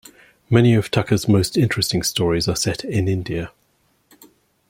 Many of Tucker's most interesting stories are set in India.